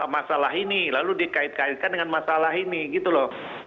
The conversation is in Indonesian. masalah ini lalu dikait kaitkan dengan masalah ini gitu loh